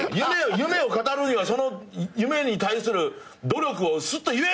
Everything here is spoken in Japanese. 夢を語るにはその夢に対する努力をすっと言え！